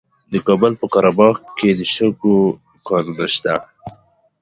د کابل په قره باغ کې د شګو کانونه دي.